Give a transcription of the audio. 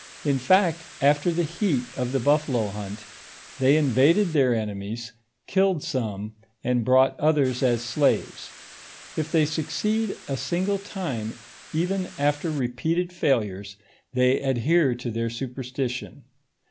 In fact, after the heat of the buffalo hunt, they invaded their enemies, killed some, and brought othera as slaves. If they succeed a single time, even after repeated failures, they adhere to their superstition.